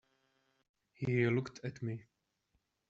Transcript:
He looked at me.